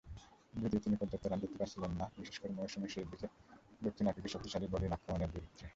যদিও তিনি পর্যাপ্ত রান করতে পারছিলেন না, বিশেষ করে মৌসুমের শেষের দিকে দক্ষিণ আফ্রিকার শক্তিশালী বোলিং আক্রমনের বিরুদ্ধে।